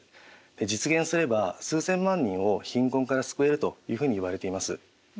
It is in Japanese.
実現すれば数千万人を貧困から救えるというふうにいわれています。